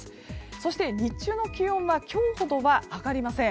そして、日中の気温は今日ほどは上がりません。